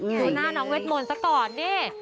ดูหน้าน้องเวทมนต์ซะก่อนนี่